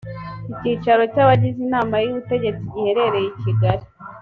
icyicaro cy’ abagize inama y’ ubutegetsi giherereye i kigali